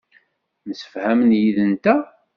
Msefhamen yid-nteɣ.